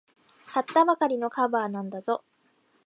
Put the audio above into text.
買ったばかりのカバーなんだぞ。